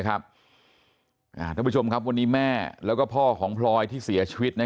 ท่านผู้ชมครับวันนี้แม่แล้วก็พ่อของพลอยที่เสียชีวิต